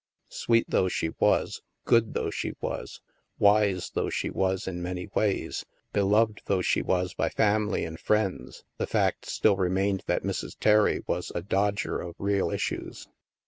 Sweet though she was, good though she was, wise though she was in many ways, beloved though she was by family and friends, the fact still remained that Mrs. Terry was a dodger of real issues.